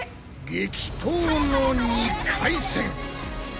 激闘の２回戦！